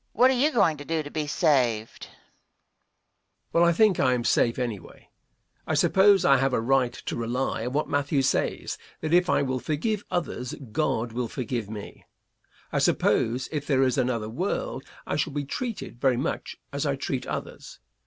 Question. What are you going to do to be saved? Answer. Well, I think I am safe, anyway. I suppose I have a right to rely on what Matthew says, that if I will forgive others God will forgive me. I suppose if there is another world I shall be treated very much as I treat others.